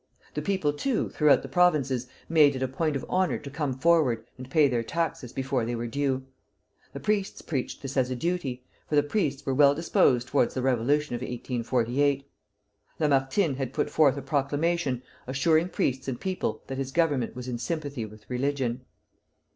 The people, too, throughout the provinces, made it a point of honor to come forward and pay their taxes before they were due. The priests preached this as a duty, for the priests were well disposed towards the Revolution of 1848. Lamartine had put forth a proclamation assuring priests and people that his Government was in sympathy with religion.